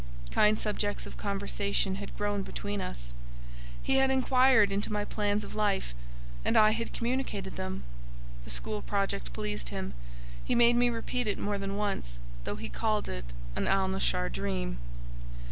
Kind subjects of conversation had grown between us; he had inquired into my plans of life, and I had communicated them; the school project pleased him; he made me repeat it more than once, though he called it an Alnaschar dream.